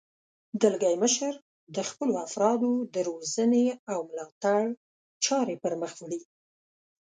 دلګی مشر د خپلو افرادو د روزنې او ملاتړ چارې پرمخ وړي.